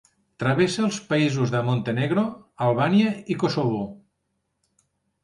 Travessa els països de Montenegro, Albània i Kosovo.